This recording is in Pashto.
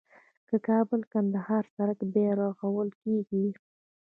د کابل - کندهار سړک بیا رغول کیږي